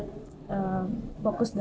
percaya satu sama lain bahwa kita bisa